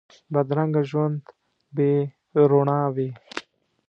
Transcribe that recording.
بدرنګه ژوند بې روڼا وي